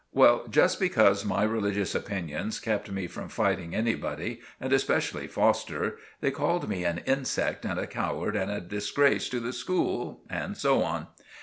Well, just because my religious opinions kept me from fighting anybody, and especially Foster, they called me an insect and a coward and a disgrace to the school and so on.